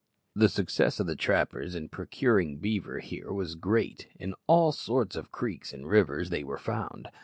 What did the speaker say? The success of the trappers in procuring beaver here was great. In all sorts of creeks and rivers they were found.